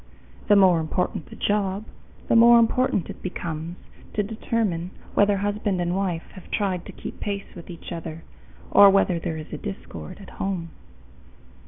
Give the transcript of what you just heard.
The more important the job, the more important it becomes to determine whether husband and wife have tried to keep pace with each other, or whether there is discord at home.